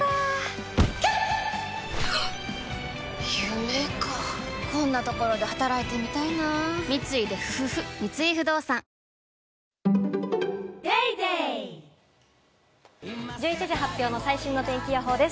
夢かこんなところで働いてみたいな三井不動産１１時発表の最新の天気予報です。